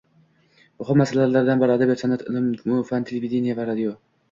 Muhim masalalardan biri adabiyot, san’at, ilmu fan, televideniye va radio